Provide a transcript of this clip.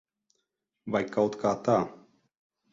Vai kaut kā tā.